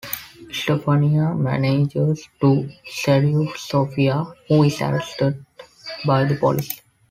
Stephanie manages to subdue Sophia, who is arrested by the police.